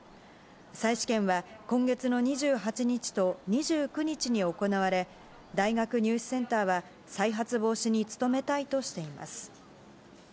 再試験は今月の２８日と２９日に行われ、大学入試センターは、再発防止に努めたいとしています。